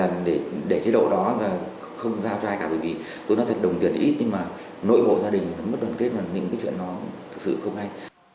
bởi vì chúng ta thật đồng tiền ít nhưng mà nội bộ gia đình nó mất đoàn kết và những cái chuyện nó thực sự không hay